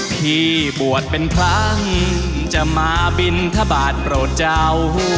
พี่บวชเป็นครั้งจะมาบินทบาทโปรดเจ้า